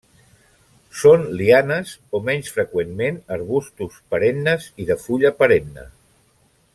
Són lianes, o menys freqüentment arbustos, perennes i de fulla perenne.